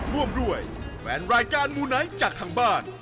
ร่วมด้วยแฟนรายการมูไนท์จากทางบ้าน